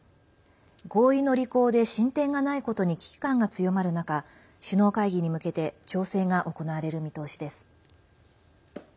合意の履行で、進展がないことに危機感が強まる中首脳会議に向けて調整が行われる見通しです。